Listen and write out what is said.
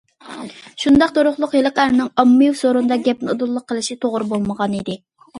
شۇنداق تۇرۇقلۇق ھېلىقى ئەرنىڭ ئاممىۋى سورۇندا گەپنى ئۇدۇللا قىلىشى توغرا بولمىغانىدى.